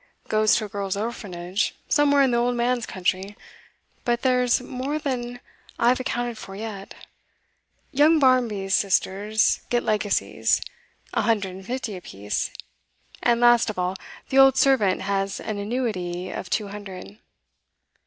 'Goes to a girl's orphanage, somewhere in the old man's country. But there's more than I've accounted for yet. Young Barmby's sisters get legacies a hundred and fifty apiece. And, last of all, the old servant has an annuity of two hundred.